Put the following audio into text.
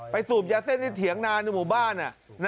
สูบยาเส้นที่เถียงนานในหมู่บ้าน